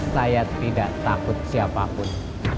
saya tidak takut siapapun